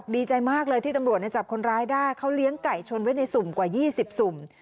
ดีใจมากเลยที่ตำรวจจับคนร้ายได้เขาเลี้ยงไก่ชนไว้ในสุ่มกว่า๒๐สุ่ม